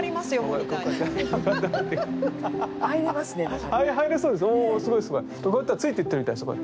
こうやったらついていってるみたいすごい。